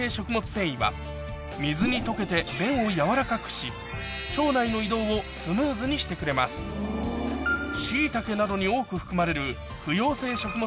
繊維は水に溶けて便を柔らかくし腸内の移動をスムーズにしてくれますシイタケなどに多く含まれる不溶性食物